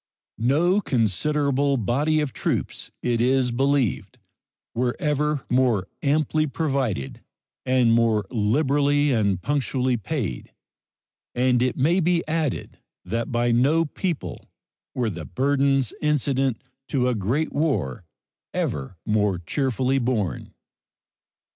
No considerable body of troops, it is believed, were ever more amply provided and more liberally and punctually paid, and it may be added that by no people were the burdens incident to a great war ever more cheerfully borne.